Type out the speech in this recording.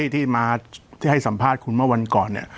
ที่มาที่ให้สัมภาษณ์คุณเมื่อวันก่อนเนี่ย